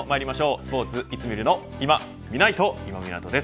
スポーツ、いつ見るのいま、みないと今湊です。